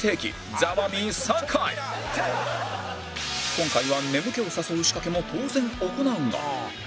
今回は眠気を誘う仕掛けも当然行うが